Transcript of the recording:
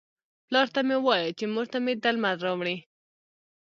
پلار ته مې وایه چې مور ته مې درمل راوړي.